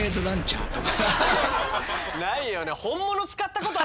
ないよね。